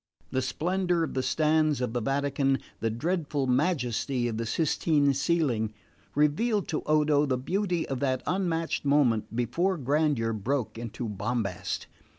The splendour of the stanze of the Vatican, the dreadful majesty of the Sistine ceiling, revealed to Odo the beauty of that unmatched moment before grandeur broke into bombast.